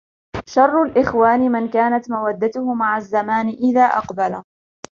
شَرُّ الْإِخْوَانِ مَنْ كَانَتْ مَوَدَّتُهُ مَعَ الزَّمَانِ إذَا أَقْبَلَ